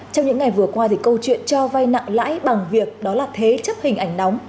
trong những ngày vừa qua thì câu chuyện cho vay nặng lãi bằng việc đó là thế chấp hình ảnh nóng